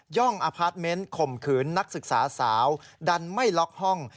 ่องอพาร์ทเมนต์ข่มขืนนักศึกษาสาวดันไม่ล็อกห้อง